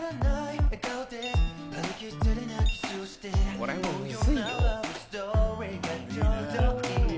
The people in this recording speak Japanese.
これもムズいよ。